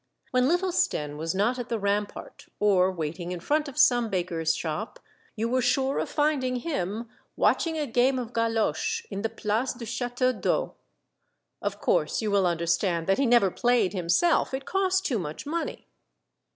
When little Stenne was not at the rampart or waiting in front of some baker's shop, you were sure of finding him watching a game of galoche in the Place du Chateau d'Eau. Of course you will understand that he never played himself; it cost too much money.